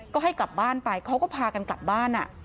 ก็ให้กลับบ้านไปเขาก็พากันกลับบ้าน